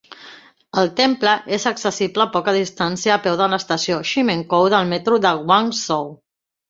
El temple és accessible a poca distància a peu de l'estació Ximenkou del metro de Guangzhou.